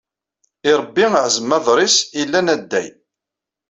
I Ṛebbi ɛzem aḍris illan adday.